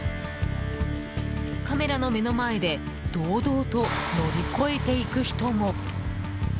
カメラの目の前で堂々と乗り越えて行く人も。